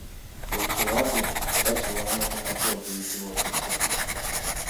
Ekiwabyo bakiwanga mu muti oguyitibwa gutya?